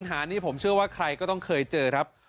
พิสิทธิ์หาเนี่ยผมเชื่อว่าใครก็ต้องเคยเจอครับ